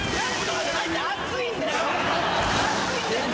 熱いんだよ。何！？